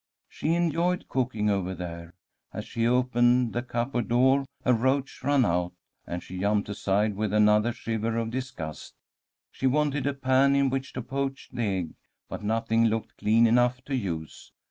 She enjoyed cooking over there. As she opened the cupboard door a roach ran out, and she jumped aside with another shiver of disgust. She wanted a pan in which to poach the egg, but nothing looked clean enough to use.